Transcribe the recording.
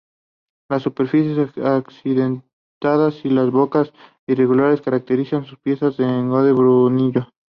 Las superficies accidentadas y las bocas irregulares caracterizan sus piezas de engobe bruñido.